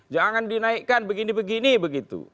jangan dinaikkan begini begini begitu